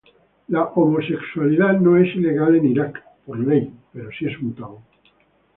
La homosexualidad no es ilegal en Irak por ley, pero si es un tabú.